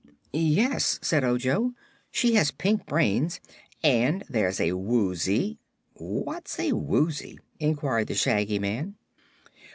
"Yes," said Ojo; "she has pink brains. And there's a Woozy " "What's a Woozy?" inquired the Shaggy Man.